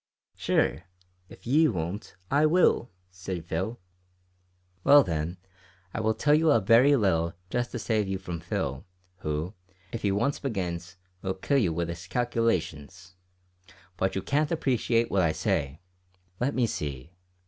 "Sure, if ye don't, I will," said Phil. "Well then, I will tell you a very little just to save you from Phil, who, if he once begins, will kill you with his calculations. But you can't appreciate what I say. Let me see.